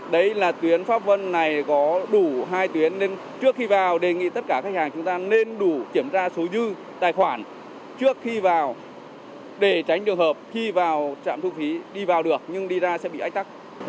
đấy là tuyến pháp vân này có đủ hai tuyến nên trước khi vào đề nghị tất cả khách hàng chúng ta nên đủ kiểm tra số dư tài khoản trước khi vào để tránh trường hợp khi vào trạm thu phí đi vào được nhưng đi ra sẽ bị ách tắc